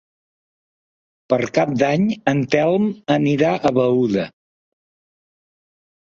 Per Cap d'Any en Telm anirà a Beuda.